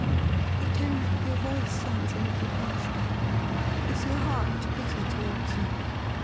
* The tone of your voice sounds a little harsh. Is your heart bitter towards me